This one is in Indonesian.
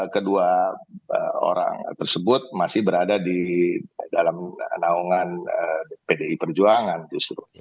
kedua orang tersebut masih berada di dalam naungan pdi perjuangan justru